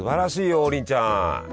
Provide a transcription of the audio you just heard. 王林ちゃん！